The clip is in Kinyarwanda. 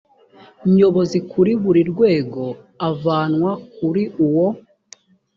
nyobozi kuri buri rwego avanwa kuri uwo